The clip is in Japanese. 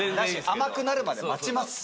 甘くなるまで待ちます。